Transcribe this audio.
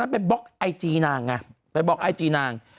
ไปบอกว่าจากนั้นไปบล็อกไอจีนาง